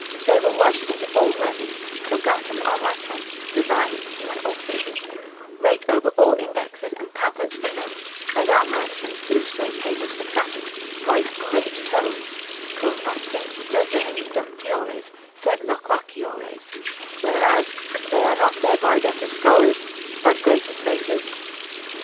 They will rush into all learning, togatam armatam, divine, human authors, rake over all indexes and pamphlets for notes, as our merchants do strange havens for traffic, write great tomes, Cum non sint re vera doctiores, sed loquaciores, whereas they are not thereby better scholars, but greater praters.